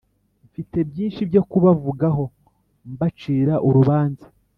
Mfite byinshi byo kubavugaho mbacira urubanza